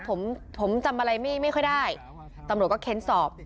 ผมผมจำอะไรไม่ค่อยได้ตำรวจก็เค้นสอบ